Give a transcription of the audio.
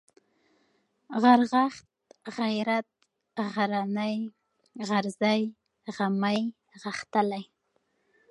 غرغښت ، غيرت ، غرنى ، غرزی ، غمی ، غښتلی